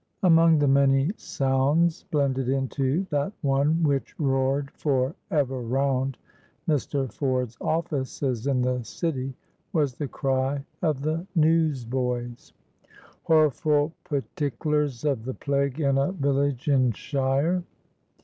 AMONG the many sounds blended into that one which roared for ever round Mr. Ford's offices in the city was the cry of the newsboys. "Horful p'ticklers of the plague in a village in —shire!"